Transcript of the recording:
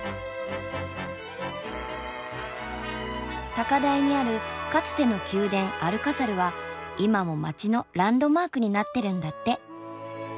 高台にあるかつての宮殿アルカサルは今も街のランドマークになってるんだって。